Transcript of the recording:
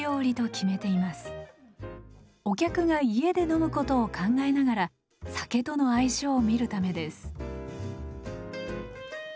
お客が家で飲むことを考えながら酒との相性を見るためです。